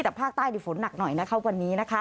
แต่ภาคใต้ฝนหนักหน่อยวันนี้